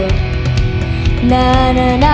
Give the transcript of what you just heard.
เรียกประกันแล้วยังคะ